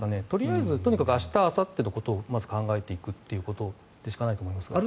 とりあえずとにかく明日あさってのことをまず考えていくことでしかないと思います。